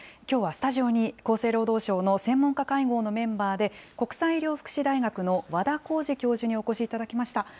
きょうはスタジオに、厚生労働省の専門家会合のメンバーで、国際医療福祉大学の和田耕治教授にお越しいただきました。